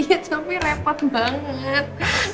iya tapi repot banget